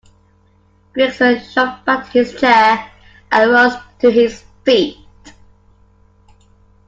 Gregson shoved back his chair and rose to his feet.